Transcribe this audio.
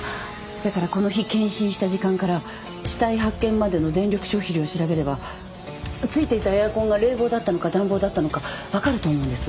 だからこの日検針した時間から死体発見までの電力消費量を調べればついていたエアコンが冷房だったのか暖房だったのか分かると思うんです。